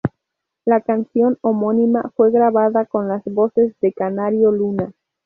La canción homónima fue grabada con las voces de Canario Luna.